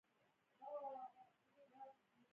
ډيپلوماسي د سیاسي اړیکو جوړولو اساسي وسیله ده.